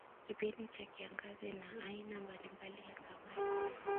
Kipindi cha kiangazi na aina mbalimbali ya samaki